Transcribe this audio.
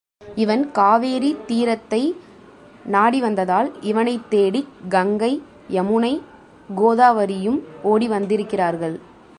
இவன் காவேரி தீரத்தை நாடி வந்ததால் இவனைத் தேடிக் கங்கை, யமுனை, கோதாவரியும் ஓடி வந்திருக்கிறார்கள்.